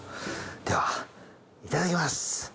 ではいただきます。